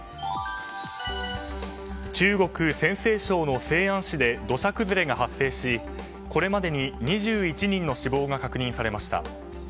中国・陝西省の西安市で土砂崩れが発生しこれまでに２１人の死亡が確認されました。